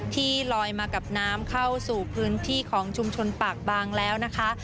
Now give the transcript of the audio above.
ที่ลอยมากับน้ำเข้าสู่พื้นที่ของชุมชนปากบางแล้วนะคะ